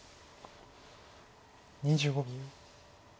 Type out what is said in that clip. ２５秒。